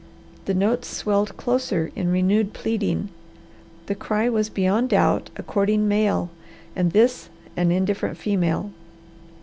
The notes swelled closer in renewed pleading. The cry was beyond doubt a courting male and this an indifferent female.